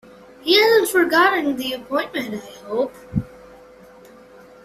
He hasn't forgotten the appointment, I hope?